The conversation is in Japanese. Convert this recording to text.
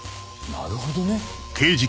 なるほどね。